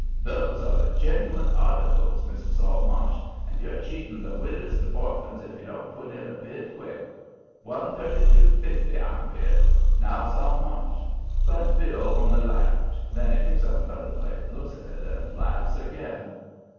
Those are the genuine articles, Mr. Saltmarsh, and you're cheating the widders and orphans if you don't put in a bid quick. One thirty two fifty, I'm bid. Now, Saltmarsh!" But Bill only laughed. Then he picks up another plate, looks at it, and laughs again.